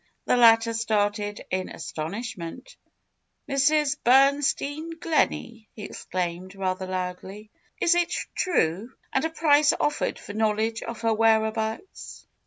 The latter started in astonish ment. ^^Mrs. Bernstein Gleney !" he exclaimed, rather loudly, it true? And a price offered for knowledge of her whereabouts